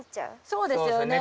そうですよね。